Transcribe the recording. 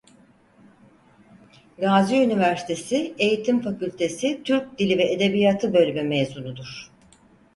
Gazi Üniversitesi Eğitim Fakültesi Türk Dili ve Edebiyatı Bölümü mezunudur.